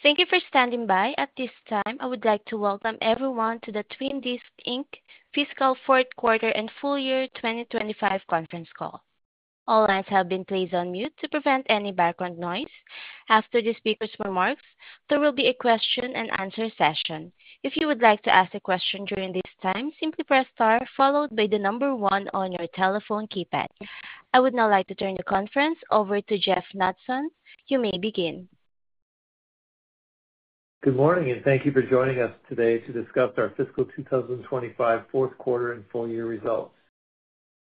Thank you for standing by. At this time, I would like to welcome everyone to the Twin Disc, Inc. fiscal fourth quarter and full year 2025 conference call. All lines have been placed on mute to prevent any background noise. After the speaker's remarks, there will be a question and answer session. If you would like to ask a question during this time, simply press star followed by the number one on your telephone keypad. I would now like to turn the conference over to Jeff Knutson. You may begin. Good morning and thank you for joining us today to discuss our fiscal 2025 fourth quarter and full year results.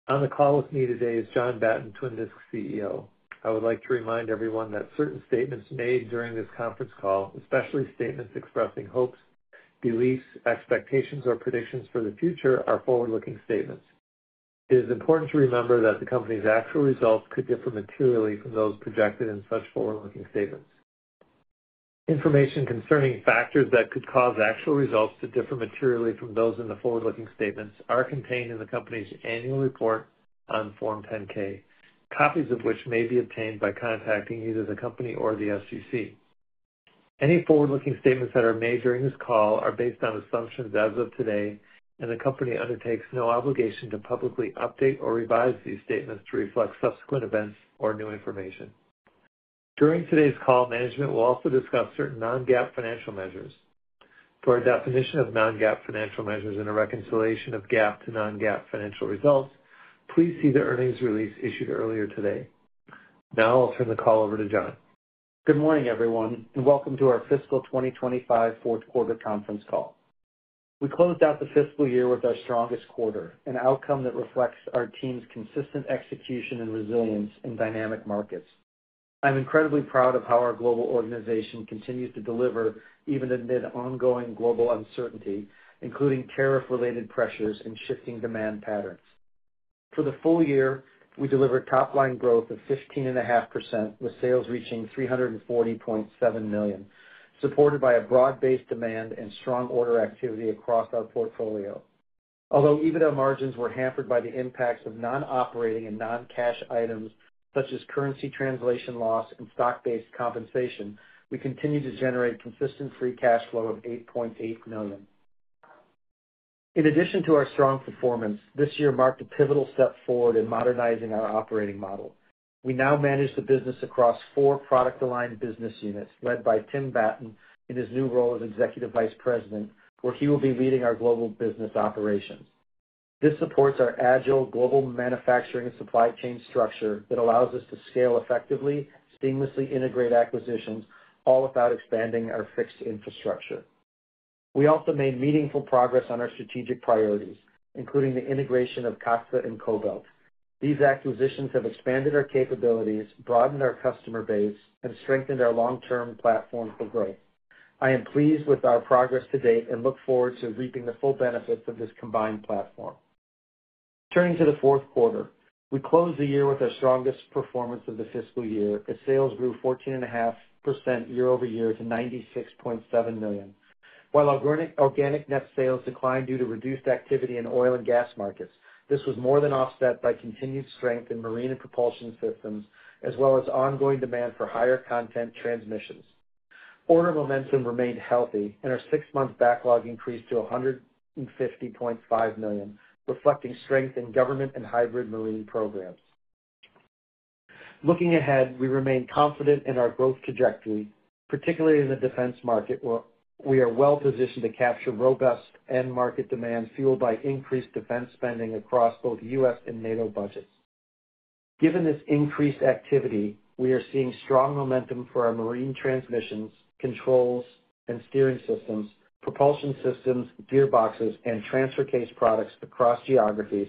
On the call with me today is John H. Batten, Twin Disc CEO. I would like to remind everyone that certain statements made during this conference call, especially statements expressing hopes, beliefs, expectations, or predictions for the future, are forward-looking statements. It is important to remember that the company's actual results could differ materially from those projected in such forward-looking statements. Information concerning factors that could cause actual results to differ materially from those in the forward-looking statements are contained in the company's annual report on Form 10-K, copies of which may be obtained by contacting either the company or the SEC. Any forward-looking statements that are made during this call are based on assumptions as of today, and the company undertakes no obligation to publicly update or revise these statements to reflect subsequent events or new information. During today's call, management will also discuss certain non-GAAP financial measures. For a definition of non-GAAP financial measures and a reconciliation of GAAP to non-GAAP financial results, please see the earnings release issued earlier today. Now I'll turn the call over to John. Good morning, everyone, and welcome to our fiscal 2025 fourth quarter conference call. We close out the fiscal year with our strongest quarter, an outcome that reflects our team's consistent execution and resilience in dynamic markets. I'm incredibly proud of how our global organization continues to deliver even amid ongoing global uncertainty, including tariff-related pressures and shifting demand patterns. For the full year, we delivered top-line growth of 15.5%, with sales reaching $340.7 million, supported by a broad-based demand and strong order activity across our portfolio. Although even our margins were hampered by the impacts of non-operating and non-cash items, such as currency translation loss and stock-based compensation, we continue to generate consistent free cash flow of $8.8 million. In addition to our strong performance, this year marked a pivotal step forward in modernizing our operating model. We now manage the business across four product-aligned business units, led by Tim Batten in his new role as Executive Vice President, where he will be leading our global business operations. This supports our agile global manufacturing and supply chain structure that allows us to scale effectively, seamlessly integrate acquisitions, all without expanding our fixed infrastructure. We also made meaningful progress on our strategic priorities, including the integration of Katsa and Kobelt. These acquisitions have expanded our capabilities, broadened our customer base, and strengthened our long-term platform for growth. I am pleased with our progress to date and look forward to reaping the full benefits of this combined platform. Turning to the fourth quarter, we closed the year with our strongest performance of the fiscal year, as sales grew 14.5% year-over-year to $96.7 million. While organic net sales declined due to reduced activity in oil and gas markets, this was more than offset by continued strength in marine and propulsion systems, as well as ongoing demand for higher content transmissions. Order momentum remained healthy, and our six-month backlog increased to $150.5 million, reflecting strength in government and hybrid marine programs. Looking ahead, we remain confident in our growth trajectory, particularly in the defense market, where we are well positioned to capture robust end-market demand fueled by increased defense spending across both U.S. and NATO budgets. Given this increased activity, we are seeing strong momentum for our marine transmissions, controls, and steering systems, propulsion systems, gearboxes, and transfer case products across geographies,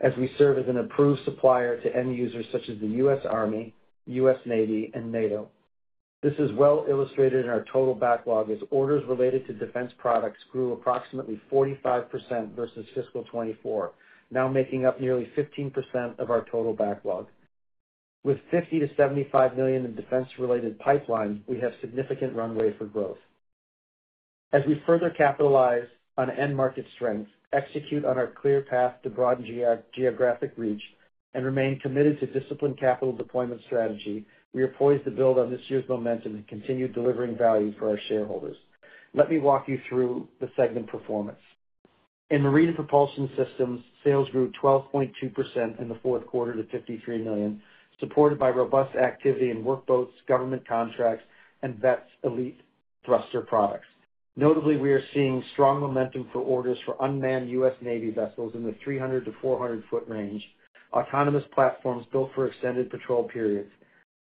as we serve as an approved supplier to end users such as the U.S. Army, U.S. Navy, and NATO. This is well illustrated in our total backlog, as orders related to defense products grew approximately 45% versus fiscal 2024, now making up nearly 15% of our total backlog. With $50 million - $75 million in defense-related pipelines, we have significant runway for growth. As we further capitalize on end-market strength, execute on our clear path to broaden geographic reach, and remain committed to disciplined capital deployment strategy, we are poised to build on this year's momentum and continue delivering value for our shareholders. Let me walk you through the segment performance. In marine and propulsion systems, sales grew 12.2% in the fourth quarter to $53 million, supported by robust activity in workboats, government contracts, and Veth's Elite Thruster products. Notably, we are seeing strong momentum for orders for unmanned U.S. Navy vessels in the 300 - 400-foot range, autonomous platforms built for extended patrol periods.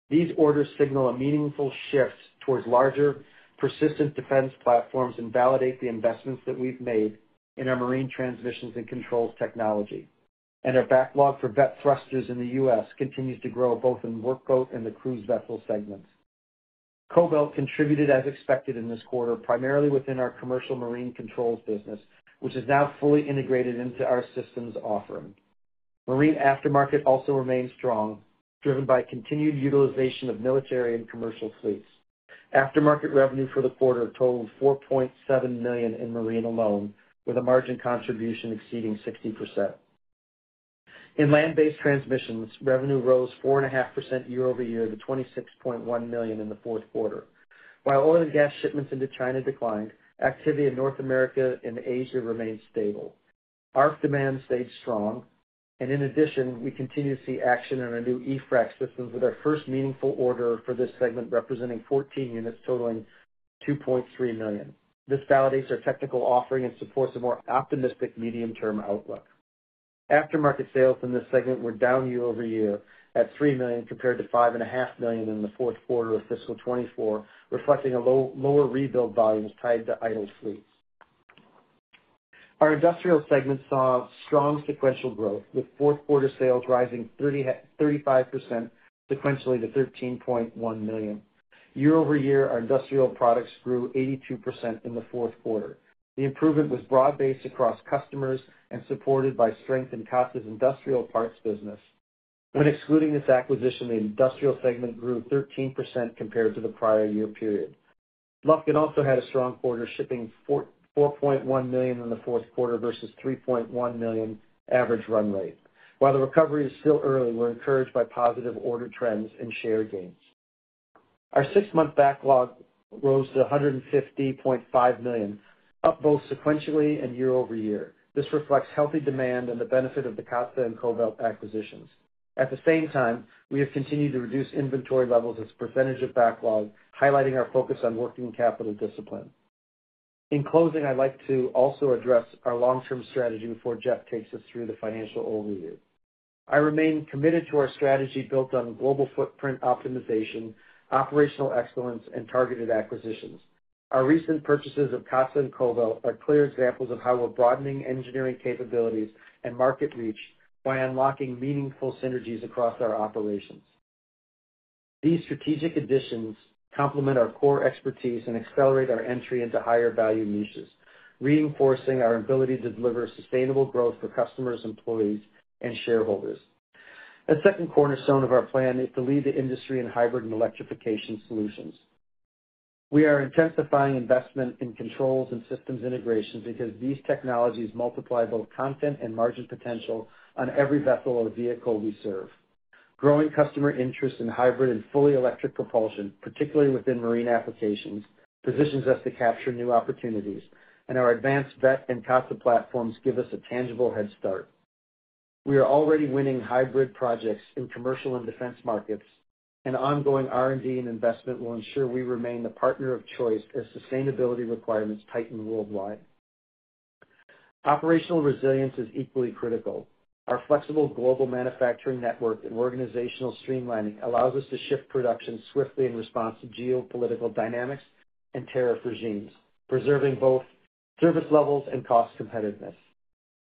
These orders signal a meaningful shift towards larger, persistent defense platforms and validate the investments that we've made in our marine transmissions and controls technology. Our backlog for Veth Thrusters in the U.S. continues to grow both in the workboat and the cruise vessel segments. Kobelt contributed as expected in this quarter, primarily within our commercial marine controls business, which is now fully integrated into our systems offering. Marine aftermarket also remains strong, driven by continued utilization of military and commercial fleets. Aftermarket revenue for the quarter totaled $4.7 million in marine alone, with a margin contribution exceeding 60%. In land-based transmissions, revenue rose 4.5% year-over-year, to $26.1 million in the fourth quarter. While oil and gas shipments into China declined, activity in North America and Asia remained stable. ARF demand stayed strong, and in addition, we continue to see action on our new e-fract systems with our first meaningful order for this segment representing 14 units totaling $2.3 million. This validates our technical offering and supports a more optimistic medium-term outlook. Aftermarket sales in this segment were down year-over-year at $3 million compared to $5.5 million in the fourth quarter of fiscal 2024, reflecting a lower rebuild volume tied to idle fleets. Our industrial segment saw strong sequential growth, with fourth quarter sales rising 35% sequentially to $13.1 million. Year-over-year, our industrial products grew 82% in the fourth quarter. The improvement was broad-based across customers and supported by strength in Katsa industrial parts business. When excluding this acquisition, the industrial segment grew 13% compared to the prior year period. Lufkin also had a strong quarter, shipping $4.1 million in the fourth quarter versus $3.1 million average runway. While the recovery is still early, we're encouraged by positive order trends and share gains. Our six-month backlog rose to $150.5 million, up both sequentially and year-over-year. This reflects healthy demand and the benefit of the Katsa and Kobelt acquisitions. At the same time, we have continued to reduce inventory levels as a percentage of backlog, highlighting our focus on working capital discipline. In closing, I'd like to also address our long-term strategy before Jeff takes us through the financial overview. I remain committed to our strategy built on global footprint optimization, operational excellence, and targeted acquisitions. Our recent purchases of Katsa and Kobelt are clear examples of how we're broadening engineering capabilities and market reach by unlocking meaningful synergies across our operations. These strategic additions complement our core expertise and accelerate our entry into higher value niches, reinforcing our ability to deliver sustainable growth to customers, employees, and shareholders. A second cornerstone of our plan is to lead the industry in hybrid and electrification solutions. We are intensifying investment in controls and systems integrations because these technologies multiply both content and margin potential on every vessel or vehicle we serve. Growing customer interest in hybrid and fully electric propulsion, particularly within marine applications, positions us to capture new opportunities, and our advanced Veth and Katsa platforms give us a tangible head start. We are already winning hybrid projects in commercial and defense markets, and ongoing R&D and investment will ensure we remain the partner of choice as sustainability requirements tighten worldwide. Operational resilience is equally critical. Our flexible global manufacturing network and organizational streamlining allow us to shift production swiftly in response to geopolitical dynamics and tariff regimes, preserving both service levels and cost competitiveness.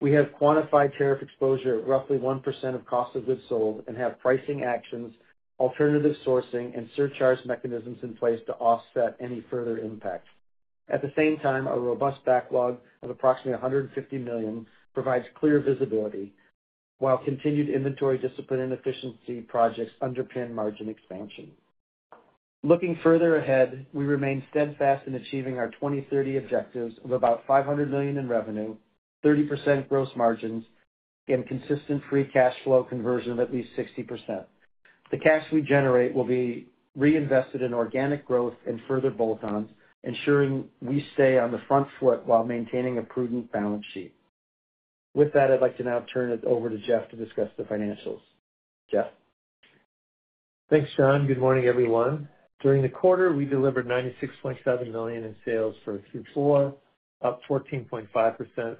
We have quantified tariff exposure at roughly 1% of cost of goods sold and have pricing actions, alternative sourcing, and surcharge mechanisms in place to offset any further impact. At the same time, a robust backlog of approximately $150 million provides clear visibility, while continued inventory discipline and efficiency projects underpin margin expansion. Looking further ahead, we remain steadfast in achieving our 2030 objectives of about $500 million in revenue, 30% gross margins, and consistent free cash flow conversion of at least 60%. The cash we generate will be reinvested in organic growth and further bolt-ons, ensuring we stay on the front foot while maintaining a prudent balance sheet. With that, I'd like to now turn it over to Jeff to discuss the financials. Jeff? Thanks, John. Good morning, everyone. During the quarter, we delivered $96.7 million in sales for Q4, up 14.5%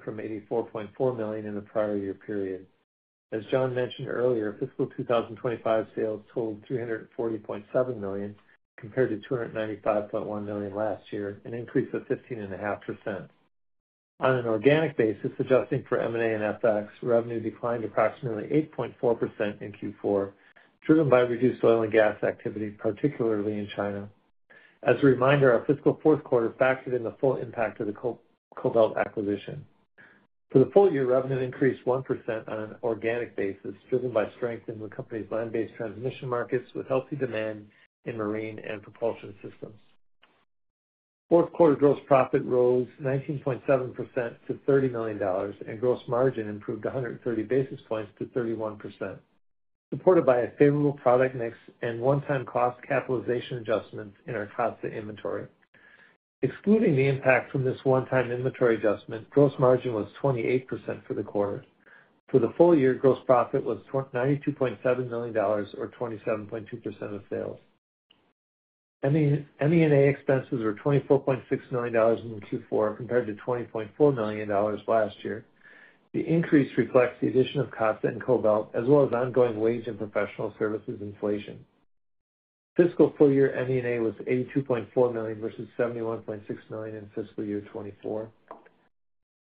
from $84.4 million in the prior year period. As John mentioned earlier, fiscal 2025 sales totaled $340.7 million compared to $295.1 million last year, an increase of 15.5%. On an organic basis, adjusting for M&A and FX, revenue declined approximately 8.4% in Q4, driven by reduced oil and gas activity, particularly in China. As a reminder, our fiscal fourth quarter factored in the full impact of the Kobelt acquisition. For the full year, revenue increased 1% on an organic basis, driven by strength in the company's land-based transmission markets with healthy demand in marine and propulsion systems. Fourth quarter gross profit rose 19.7% to $30 million, and gross margin improved 130 basis points to 31%, supported by a favorable product mix and one-time cost capitalization adjustments in our cost inventory. Excluding the impact from this one-time inventory adjustment, gross margin was 28% for the quarter. For the full year, gross profit was $92.7 million or 27.2% of sales. M&A expenses were $24.6 million in Q4 compared to $20.4 million last year. The increase reflects the addition of Katsa and Kobelt, as well as ongoing wage and professional services inflation. Fiscal full year M&A was $82.4 million versus $71.6 million in fiscal year 2024.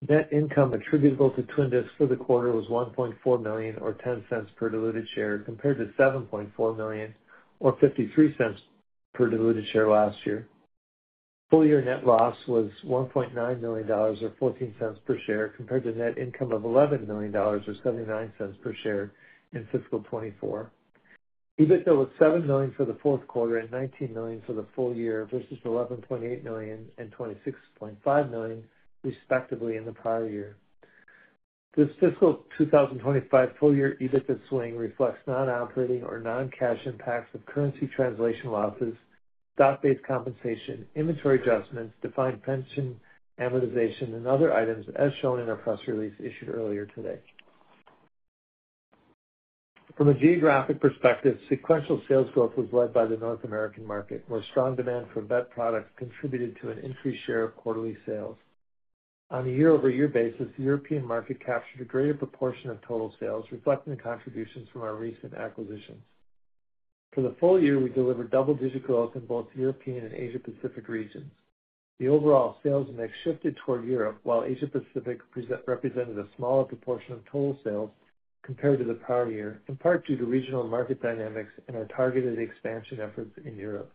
Net income attributable to Twin Disc for the quarter was $1.4 million or $0.10 per diluted share compared to $7.4 million or $0.53 per diluted share last year. Full year net loss was $1.9 million or $0.14 per share compared to net income of $11 million or $0.79 per share in fiscal 2024. EBITDA was $7 million for the fourth quarter and $19 million for the full year versus $11.8 million and $26.5 million, respectively, in the prior year. This fiscal 2025 full year EBITDA swing reflects non-operating or non-cash impacts of currency translation losses, stock-based compensation, inventory adjustments, defined pension amortization, and other items as shown in our press release issued earlier today. From a geographic perspective, sequential sales growth was led by the North American market, where strong demand for Veth products contributed to an increased share of quarterly sales. On a year-over-year basis, the European market captured a greater proportion of total sales, reflecting the contributions from our recent acquisitions. For the full year, we delivered double-digit growth in both the European and Asia-Pacific regions. The overall sales mix shifted toward Europe, while Asia-Pacific represented a smaller proportion of total sales compared to the prior year, in part due to regional market dynamics and our targeted expansion efforts in Europe.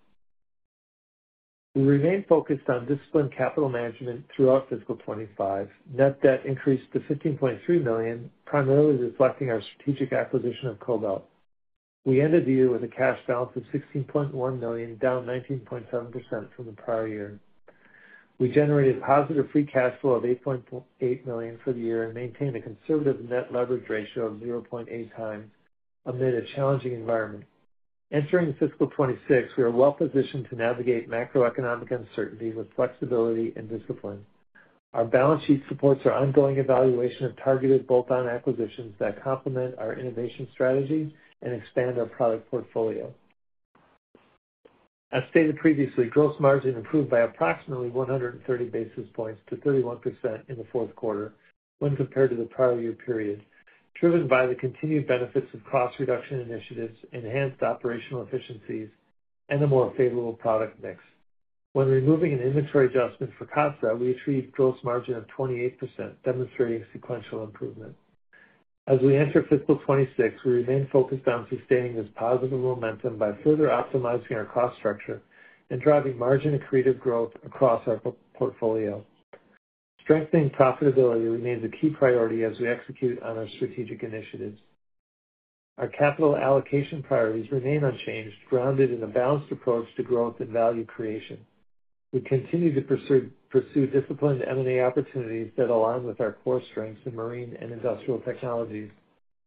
We remain focused on disciplined capital management throughout fiscal 2025. Net debt increased to $15.3 million, primarily reflecting our strategic acquisition of Kobelt. We ended the year with a cash balance of $16.1 million, down 19.7% from the prior year. We generated a positive free cash flow of $8.8 million for the year and maintained a conservative net leverage ratio of 0.8x amid a challenging environment. Entering fiscal 2026, we are well positioned to navigate macroeconomic uncertainty with flexibility and discipline. Our balance sheet supports our ongoing evaluation of targeted bolt-on acquisitions that complement our innovation strategies and expand our product portfolio. As stated previously, gross margin improved by approximately 130 basis points to 31% in the fourth quarter when compared to the prior year period, driven by the continued benefits of cost reduction initiatives, enhanced operational efficiencies, and a more favorable product mix. When removing an inventory adjustment for Katsa, we achieved a gross margin of 28%, demonstrating sequential improvement. As we enter fiscal 2026, we remain focused on sustaining this positive momentum by further optimizing our cost structure and driving margin and creative growth across our portfolio. Strengthening profitability remains a key priority as we execute on our strategic initiatives. Our capital allocation priorities remain unchanged, grounded in a balanced approach to growth and value creation. We continue to pursue disciplined M&A opportunities that align with our core strengths in marine and industrial technologies,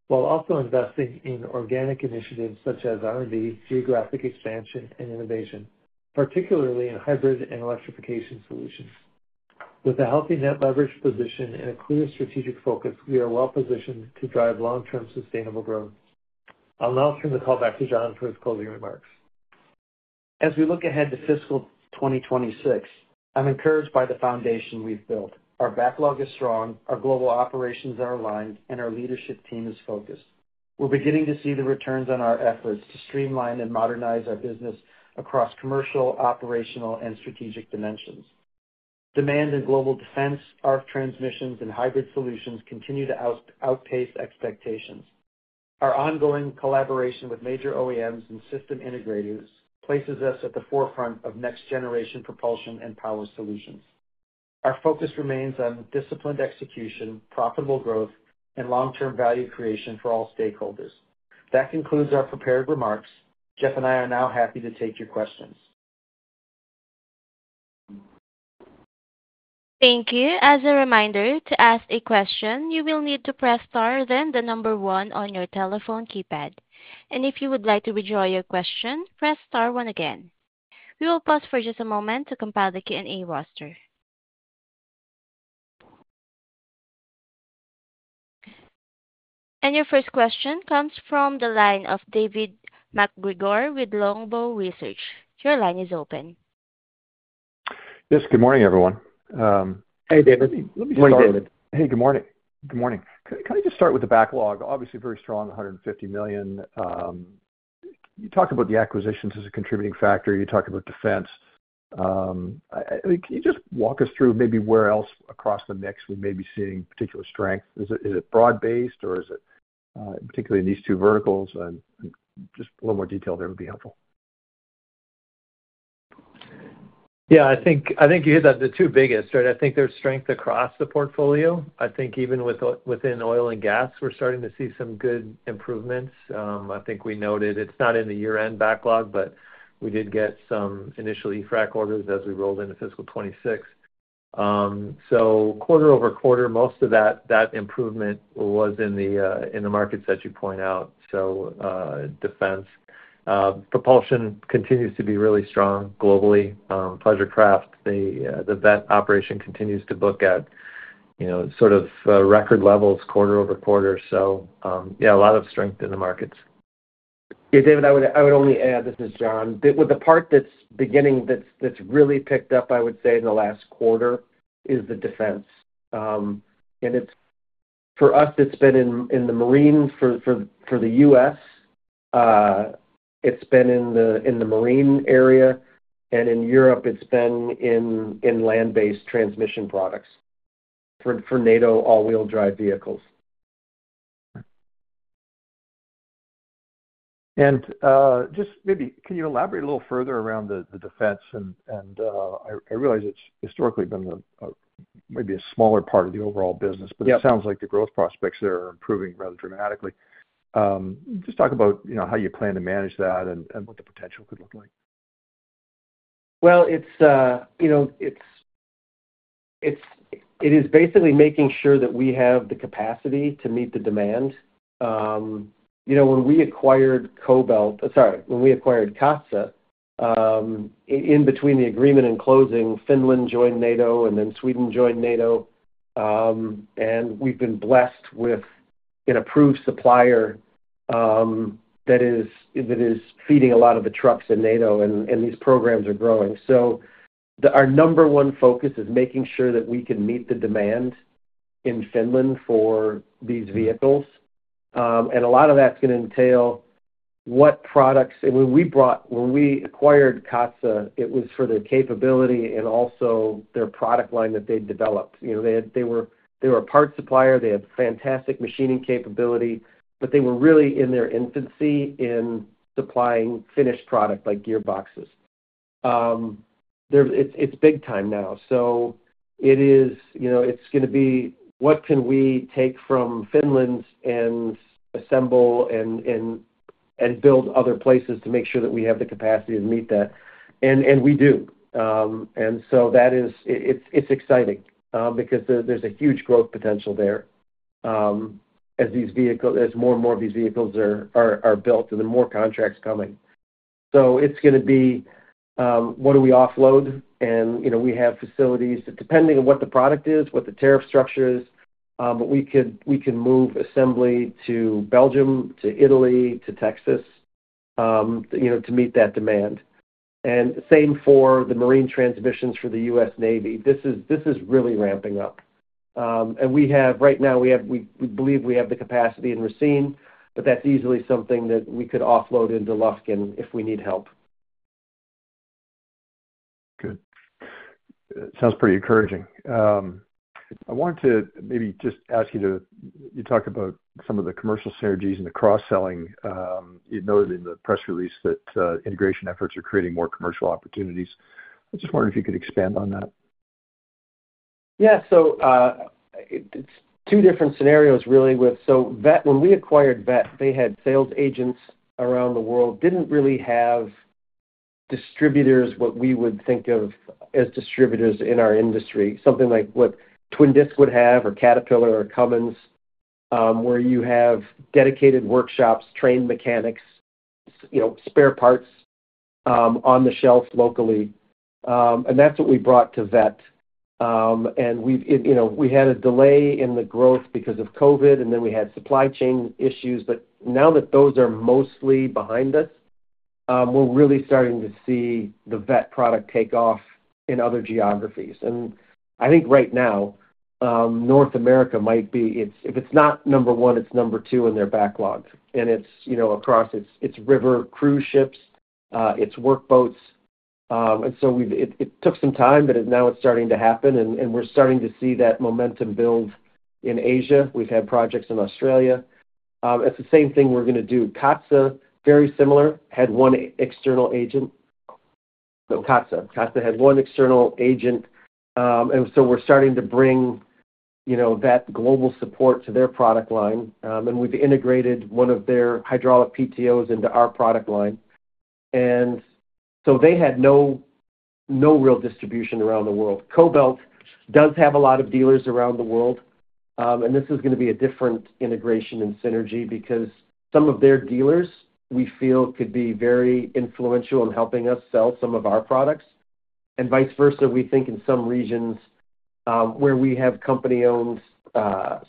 while also investing in organic initiatives such as R&D, geographic expansion, and innovation, particularly in hybrid and electrification solutions. With a healthy net leverage position and a clear strategic focus, we are well positioned to drive long-term sustainable growth. I'll now turn the call back to John for his closing remarks. As we look ahead to fiscal 2026, I'm encouraged by the foundation we've built. Our backlog is strong, our global operations are aligned, and our leadership team is focused. We're beginning to see the returns on our efforts to streamline and modernize our business across commercial, operational, and strategic dimensions. Demand in global defense, marine transmissions, and hybrid solutions continue to outpace expectations. Our ongoing collaboration with major OEMs and system integrators places us at the forefront of next-generation propulsion and power solutions. Our focus remains on disciplined execution, profitable growth, and long-term value creation for all stakeholders. That concludes our prepared remarks. Jeff and I are now happy to take your questions. Thank you. As a reminder, to ask a question, you will need to press star then the number one on your telephone keypad. If you would like to withdraw your question, press star one again. We will pause for just a moment to compile the Q&A roster. Your first question comes from the line of David MacGregor with Longbow Research. Your line is open. Yes, good morning, everyone. Hey, David. Morning, David. Hey, good morning. Good morning. Can I just start with the backlog? Obviously, very strong, $150 million. You talked about the acquisitions as a contributing factor. You talked about defense. Can you just walk us through maybe where else across the mix we may be seeing particular strength? Is it broad-based or is it particularly in these two verticals? A little more detail there would be helpful. Yeah, I think you hit the two biggest, right? I think there's strength across the portfolio. I think even within oil and gas, we're starting to see some good improvements. I think we noted it's not in the year-end backlog, but we did get some initial e-fract orders as we rolled into fiscal 2026. Quarter- over-quarter, most of that improvement was in the markets that you point out, defense. Propulsion continues to be really strong globally. Pleasure craft, the Veth operation continues to book at, you know, sort of record levels quarter over quarter. Yeah, a lot of strength in the markets. David, I would only add, this is John, with the part that's beginning that's really picked up, I would say, in the last quarter is the defense. For us, it's been in the marines for the U.S. It's been in the marine area. In Europe, it's been in land-based transmission products for NATO all-wheel drive vehicles. Just maybe. Can you elaborate a little further around the defense? I realize it's historically been maybe a smaller part of the overall business, but it sounds like the growth prospects there are improving rather dramatically. Just talk about how you plan to manage that and what the potential could look like. It is basically making sure that we have the capacity to meet the demand. You know, when we acquired Kobelt, sorry, when we acquired Katsa, in between the agreement and closing, Finland joined NATO and then Sweden joined NATO. We've been blessed with an approved supplier that is feeding a lot of the trucks in NATO, and these programs are growing. Our number one focus is making sure that we can meet the demand in Finland for these vehicles. A lot of that's going to entail what products. When we acquired Katsa, it was for their capability and also their product line that they developed. You know, they were a parts supplier. They had fantastic machining capability, but they were really in their infancy in supplying finished product like gearboxes. It's big time now. It is, you know, it's going to be what can we take from Finland and assemble and build other places to make sure that we have the capacity to meet that? We do. That is, it's exciting because there's a huge growth potential there as more and more of these vehicles are built and the more contracts coming. It's going to be what do we offload? You know, we have facilities that, depending on what the product is, what the tariff structure is, we can move assembly to Belgium, to Italy, to Texas, you know, to meet that demand. Same for the marine transmissions for the U.S. Navy. This is really ramping up. We have right now, we believe we have the capacity in Racine, but that's easily something that we could offload into Lufkin if we need help. Good. Sounds pretty encouraging. I wanted to maybe just ask you to, you talked about some of the commercial synergies and the cross-selling. You noted in the press release that integration efforts are creating more commercial opportunities. I was just wondering if you could expand on that. Yeah, so it's two different scenarios, really. When we acquired Veth, they had sales agents around the world, didn't really have distributors, what we would think of as distributors in our industry, something like what Twin Disc would have or Caterpillar or Cummins, where you have dedicated workshops, trained mechanics, spare parts on the shelf locally. That's what we brought to Veth. We had a delay in the growth because of COVID, and then we had supply chain issues. Now that those are mostly behind us, we're really starting to see the Veth product take off in other geographies. I think right now, North America might be, if it's not number one, it's number two in their backlog. It's across river cruise ships, it's workboats. It took some time, but now it's starting to happen. We're starting to see that momentum build in Asia. We've had projects in Australia. It's the same thing we're going to do. Katsa, very similar, had one external agent. Katsa had one external agent. We're starting to bring that global support to their product line. We've integrated one of their hydraulic PTOs into our product line. They had no real distribution around the world. Kobelt does have a lot of dealers around the world. This is going to be a different integration and synergy because some of their dealers we feel could be very influential in helping us sell some of our products. Vice versa, we think in some regions where we have company-owned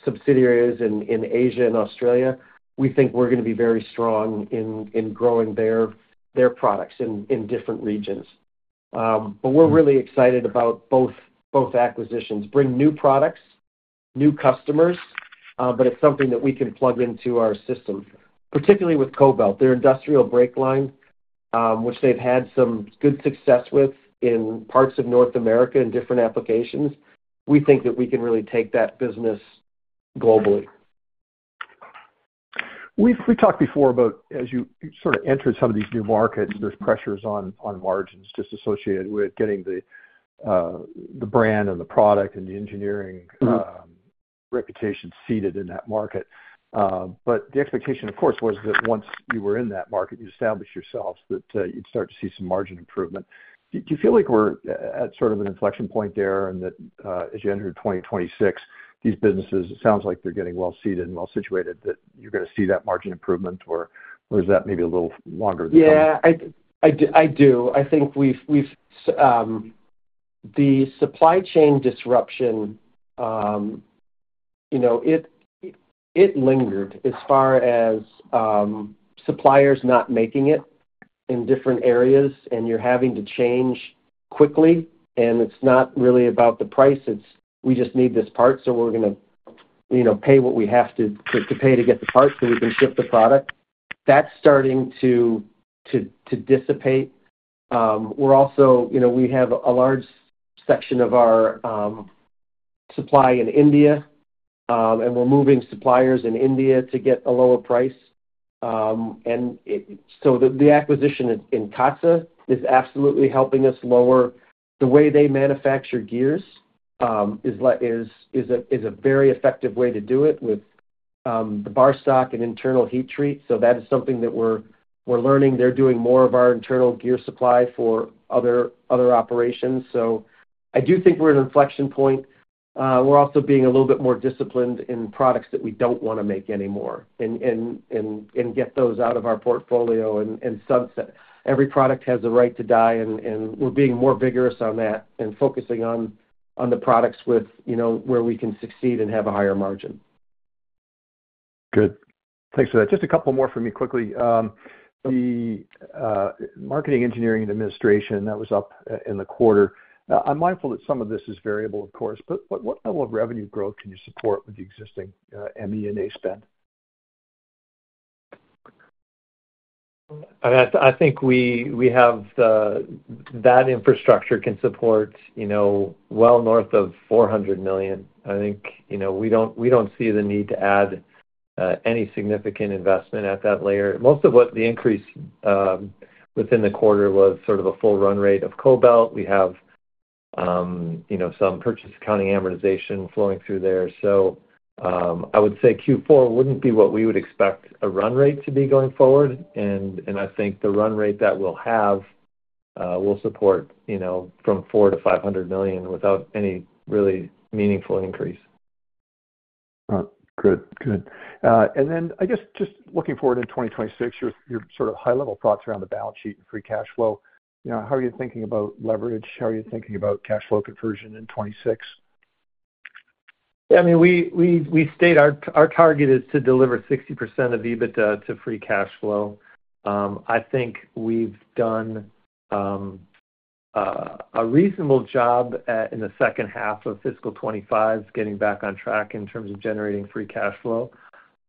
subsidiaries in Asia and Australia, we're going to be very strong in growing their products in different regions. We're really excited about both acquisitions, bring new products, new customers, but it's something that we can plug into our system. Particularly with Kobelt, their industrial brake line, which they've had some good success with in parts of North America in different applications, we think that we can really take that business globally. We've talked before about, as you sort of entered some of these new markets, there's pressures on margins just associated with getting the brand and the product and the engineering reputation seeded in that market. The expectation, of course, was that once you were in that market, you established yourself, that you'd start to see some margin improvement. Do you feel like we're at sort of an inflection point there and that as you enter 2026, these businesses, it sounds like they're getting well-seeded and well-situated, that you're going to see that margin improvement, or is that maybe a little longer? Yeah, I do. I think the supply chain disruption lingered as far as suppliers not making it in different areas and you're having to change quickly. It's not really about the price. We just need this part, so we're going to pay what we have to pay to get the part so we can ship the product. That's starting to dissipate. We're also, we have a large section of our supply in India, and we're moving suppliers in India to get a lower price. The acquisition in Katsa is absolutely helping us lower. The way they manufacture gears is a very effective way to do it with the bar stock and internal heat treat. That is something that we're learning. They're doing more of our internal gear supply for other operations. I do think we're at an inflection point. We're also being a little bit more disciplined in products that we don't want to make anymore and get those out of our portfolio. Every product has a right to die, and we're being more vigorous on that and focusing on the products where we can succeed and have a higher margin. Good. Thanks for that. Just a couple more for me quickly. The marketing, engineering, and administration, that was up in the quarter. I'm mindful that some of this is variable, of course, but what level of revenue growth can you support with the existing ME&A spend? I think we have that infrastructure can support, you know, well north of $400 million. I think, you know, we don't see the need to add any significant investment at that layer. Most of what the increase within the quarter was sort of a full run rate of Kobelt. We have, you know, some purchase accounting amortization flowing through there. I would say Q4 wouldn't be what we would expect a run rate to be going forward. I think the run rate that we'll have will support, you know, from $400 million - $500 million without any really meaningful increase. Good. Good. I guess just looking forward in 2026, your sort of high-level thoughts around the balance sheet and free cash flow. You know, how are you thinking about leverage? How are you thinking about cash flow conversion in 2026? Yeah, I mean, we stated our target is to deliver 60% of EBITDA to free cash flow. I think we've done a reasonable job in the second half of fiscal 2025 getting back on track in terms of generating free cash flow.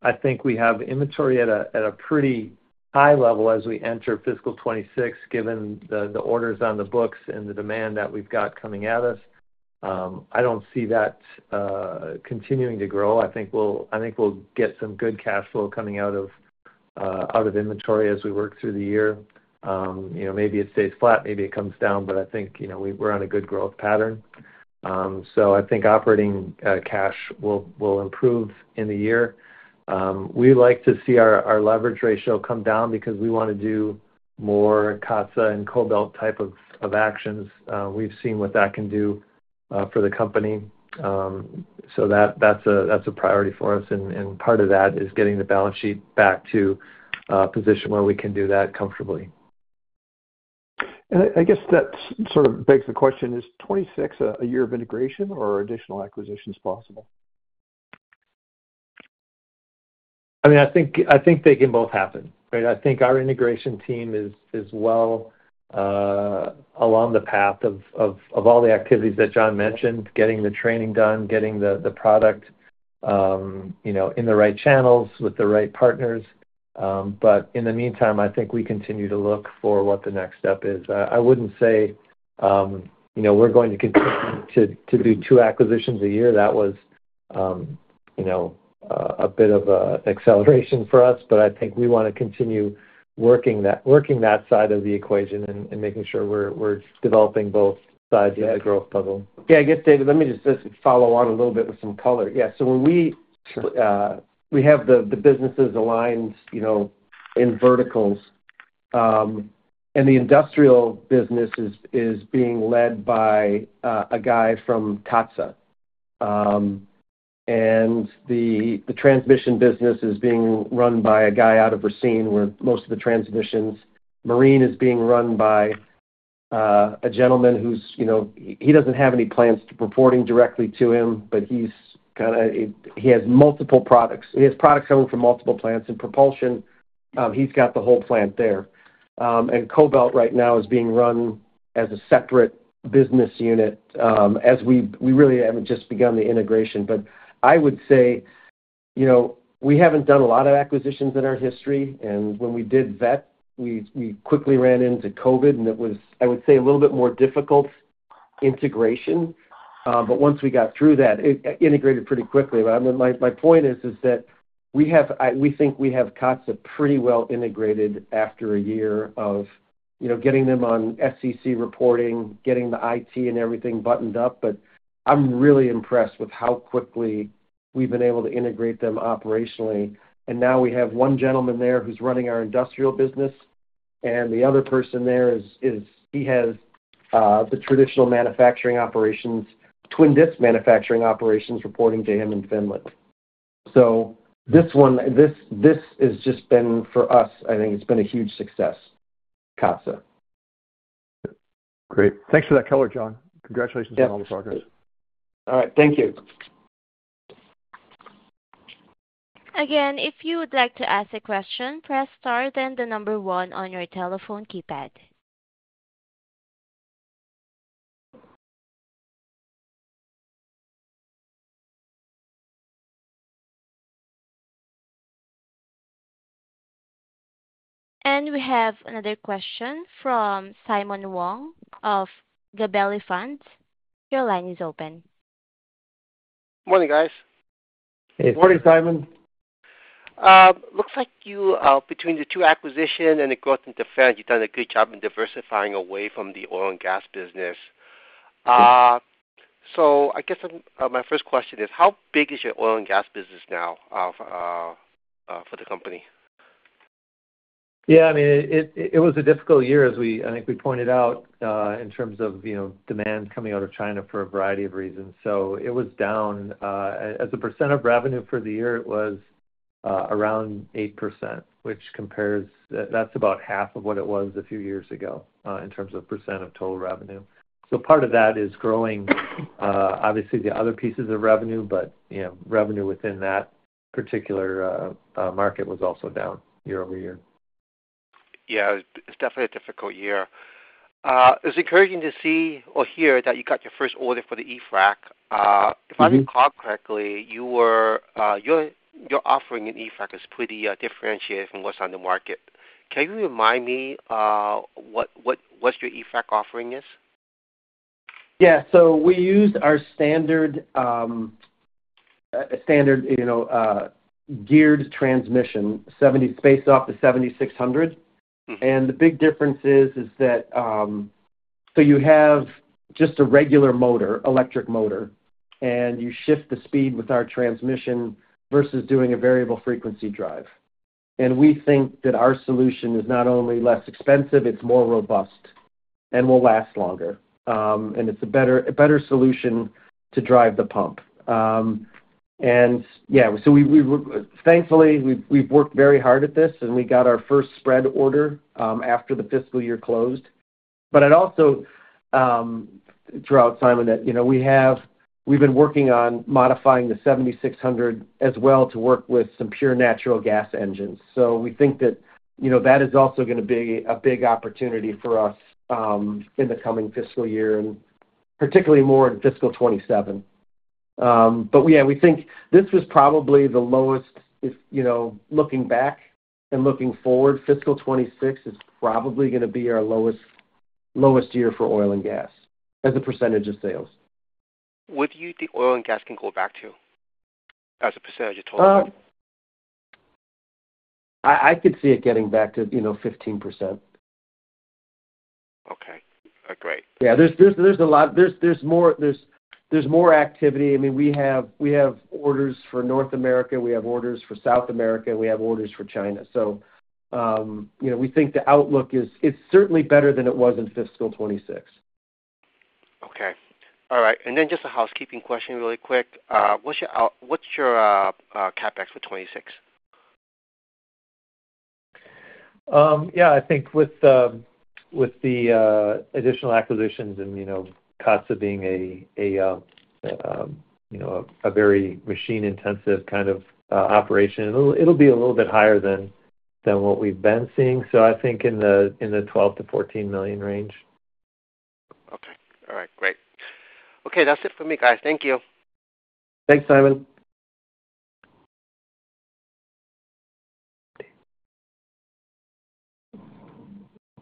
I think we have inventory at a pretty high level as we enter fiscal 2026, given the orders on the books and the demand that we've got coming at us. I don't see that continuing to grow. I think we'll get some good cash flow coming out of inventory as we work through the year. You know, maybe it stays flat, maybe it comes down, but I think, you know, we're on a good growth pattern. I think operating cash will improve in the year. We like to see our leverage ratio come down because we want to do more Katsa and Kobelt type of actions. We've seen what that can do for the company. That's a priority for us. Part of that is getting the balance sheet back to a position where we can do that comfortably. I guess that sort of begs the question, is 2026 a year of integration or additional acquisitions possible? I mean, I think they can both happen. I think our integration team is well along the path of all the activities that John mentioned, getting the training done, getting the product in the right channels with the right partners. In the meantime, I think we continue to look for what the next step is. I wouldn't say we're going to do two acquisitions a year. That was a bit of an acceleration for us. I think we want to continue working that side of the equation and making sure we're developing both sides of the growth puzzle. Yeah, I guess, David, let me just follow on a little bit with some color. Yeah, so when we have the businesses aligned in verticals, and the industrial business is being led by a guy from Katsa, and the transmission business is being run by a guy out of Racine, where most of the transmissions. Marine is being run by a gentleman who doesn't have any plants reporting directly to him, but he's kind of, he has multiple products. He has products coming from multiple plants, and propulsion, he's got the whole plant there. Kobelt right now is being run as a separate business unit as we really haven't just begun the integration. I would say we haven't done a lot of acquisitions in our history. When we did Veth, we quickly ran into COVID, and it was, I would say, a little bit more difficult integration. Once we got through that, it integrated pretty quickly. My point is that we think we have Katsa pretty well integrated after a year of getting them on SEC reporting, getting the IT and everything buttoned up. I'm really impressed with how quickly we've been able to integrate them operationally. Now we have one gentleman there who's running our industrial business, and the other person there is, he has the traditional manufacturing operations, Twin Disc manufacturing operations reporting to him in Finland. This has just been for us, I think it's been a huge success, Katsa. Great. Thanks for that color, John. Congratulations on all the progress. All right. Thank you. If you would like to ask a question, press star then the number one on your telephone keypad. We have another question from Simon Wong of the Gabelli Funds. Your line is open. Morning, guys. Hey. Morning, Simon. looks like you, between the two acquisitions and the growth in defense, you've done a good job in diversifying away from the oil and gas business. I guess my first question is, how big is your oil and gas business now for the company? Yeah, I mean, it was a difficult year, as I think we pointed out, in terms of demand coming out of China for a variety of reasons. It was down. As a % of revenue for the year, it was around 8%, which compares, that's about half of what it was a few years ago in terms of % of total revenue. Part of that is growing, obviously, the other pieces of revenue, but revenue within that particular market was also down year-over-year. Yeah, it's definitely a difficult year. It's encouraging to see or hear that you got your first order for the e-fract. If I recall correctly, your offering in E-Frac is pretty differentiated from what's on the market. Can you remind me what your E-Frac offering is? Yeah, so we used our standard, you know, geared transmission, based off the 7600. The big difference is that you have just a regular motor, electric motor, and you shift the speed with our transmission versus doing a variable frequency drive. We think that our solution is not only less expensive, it's more robust and will last longer. It's a better solution to drive the pump. Thankfully, we've worked very hard at this, and we got our first spread order after the fiscal year closed. I'd also throw out, Simon, that we've been working on modifying the 7600 as well to work with some pure natural gas engines. We think that is also going to be a big opportunity for us in the coming fiscal year, and particularly more in fiscal 2027. We think this was probably the lowest, you know, looking back and looking forward, fiscal 2026 is probably going to be our lowest year for oil and gas as a percentage of sales. What do you think oil and gas can go back to as a % of total? I could see it getting back to, you know, 15%. Okay. Great. Yeah, there's a lot, there's more activity. I mean, we have orders for North America, we have orders for South America, and we have orders for China. You know, we think the outlook is certainly better than it was in fiscal 2026. Okay. All right. Just a housekeeping question really quick. What's your CapEx for 2026? I think with the additional acquisitions and, you know, Katsa being a very machine-intensive kind of operation, it'll be a little bit higher than what we've been seeing. I think in the $12 million - $14 million range. Okay. All right. Great. Okay, that's it for me, guys. Thank you. Thanks, Simon.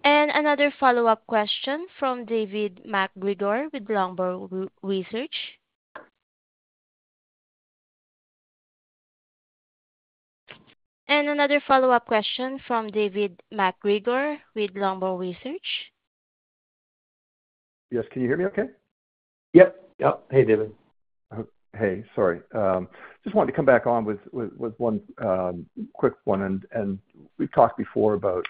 Another follow-up question from David MacGregor with Longbow Research. Yes, can you hear me okay? Yep. Yep. Hey, David. Sorry, I just wanted to come back on with one quick one. We've talked before about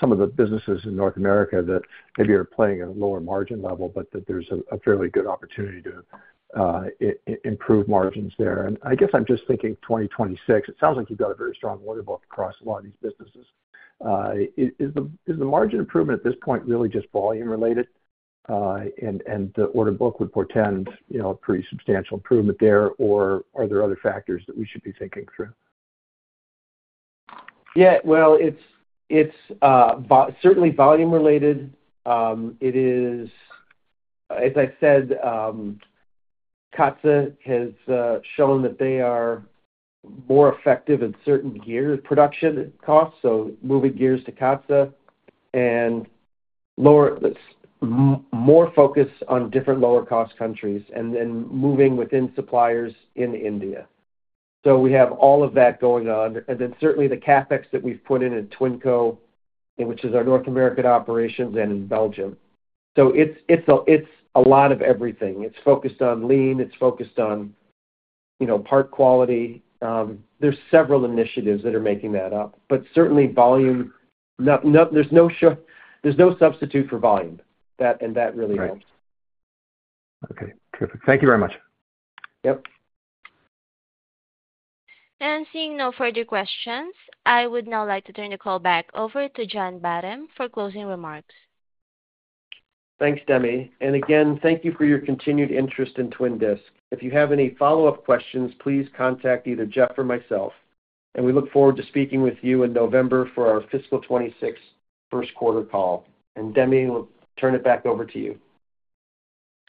some of the businesses in North America that maybe are playing at a lower margin level, but that there's a fairly good opportunity to improve margins there. I guess I'm just thinking 2026, it sounds like you've got a very strong order book across a lot of these businesses. Is the margin improvement at this point really just volume-related and the order book would portend, you know, a pretty substantial improvement there, or are there other factors that we should be thinking through? Yeah, it's certainly volume-related. As I said, Katsa has shown that they are more effective at certain gear production costs, so moving gears to Katsa and more focus on different lower-cost countries and then moving within suppliers in India. We have all of that going on. Certainly, the CapEx that we've put in at Twinco, which is our North American operations, and in Belgium. It's a lot of everything. It's focused on lean. It's focused on part quality. There are several initiatives that are making that up. Certainly, there's no substitute for volume. That really helps. Okay. Terrific. Thank you very much. Yep. Seeing no further questions, I would now like to turn the call back over to John H. Batten for closing remarks. Thanks, Demi. Thank you for your continued interest in Twin Disc. If you have any follow-up questions, please contact either Jeff or myself. We look forward to speaking with you in November for our fiscal 2026 first quarter call. Demi, we'll turn it back over to you.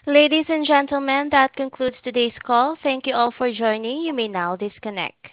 Ladies and gentlemen, that concludes today's call. Thank you all for joining. You may now disconnect.